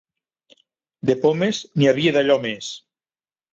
De pomes, n'hi havia d'allò més.